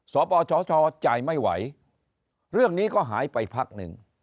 ปปชจ่ายไม่ไหวเรื่องนี้ก็หายไปพักหนึ่ง